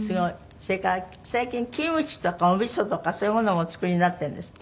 それから最近キムチとかお味噌とかそういうものもお作りになってるんですって？